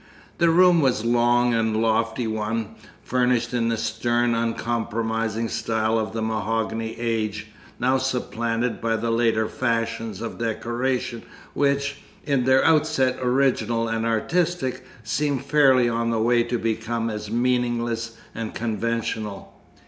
The room was a long and lofty one, furnished in the stern uncompromising style of the Mahogany Age, now supplanted by the later fashions of decoration which, in their outset original and artistic, seem fairly on the way to become as meaningless and conventional.